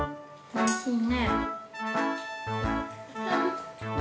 おいしい。